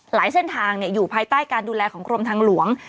เส้นทางอยู่ภายใต้การดูแลของกรมทางหลวง